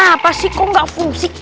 apa sih kok gak fungsi